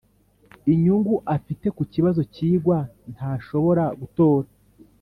inyungu afite ku kibazo cyigwa ntashobora gutora